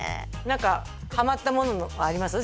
何かハマったものあります？